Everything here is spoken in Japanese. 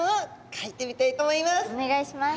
お願いします。